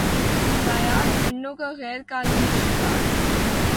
نایاب ہرنوں کا غیر قانونی شکار